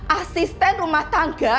asisten rumah tangga